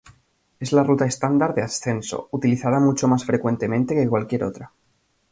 Es la ruta estándar de ascenso, utilizada mucho más frecuentemente que cualquier otra.